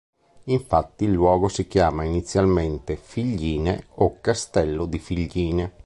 Infatti il luogo si chiama inizialmente Figline o Castello di Figline.